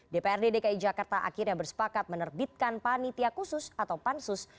dprd dki jakarta akhirnya bersepakat menerbitkan panitia khusus atau pansus